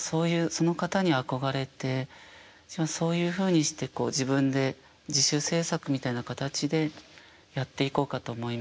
その方に憧れてそういうふうにして自分で自主制作みたいな形でやっていこうかと思いまして。